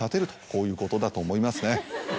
こういうことだと思いますね。